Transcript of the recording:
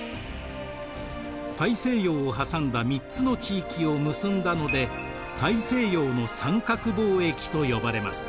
大西洋を挟んだ３つの地域を結んだので大西洋の三角貿易と呼ばれます。